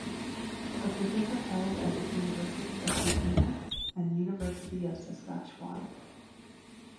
Her papers are held at the University of Regina, and University of Saskatchewan.